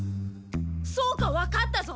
そうかわかったぞ！